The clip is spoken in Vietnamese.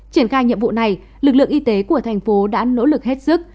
triển khai nhiệm vụ này lực lượng y tế của thành phố đã nỗ lực hết sức